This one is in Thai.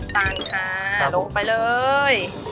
แปะร้ากลุนไปเลย